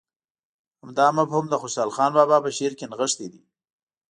همدا مفهوم د خوشحال بابا په شعر کې نغښتی دی.